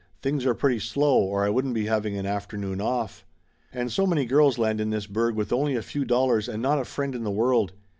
Things are pretty slow, or I wouldn't be having an afternoon off. And so many girls land in this burg with only a few dollars and not a friend in the world.